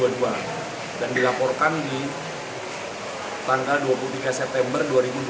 dan dilaporkan di tanggal dua puluh tiga september dua ribu dua puluh dua